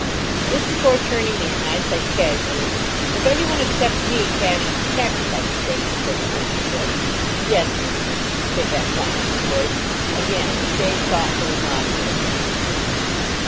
Just before turning in, I said casually, "If anyone except me cashed the cheques by mistake, he'd go to prison quick." "Yes, mister," came back Thomas's voice, again a shade thoughtfully modulated.